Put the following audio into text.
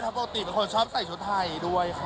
ปกติเป็นคนชอบใส่ชุดไทยด้วยค่ะ